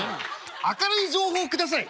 「明るい情報を下さい」。